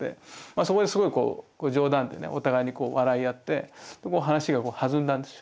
そこですごい冗談でねお互いに笑い合って話が弾んだんですよ。